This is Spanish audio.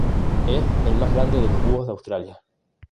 Es el más grande de los búhos de Australia.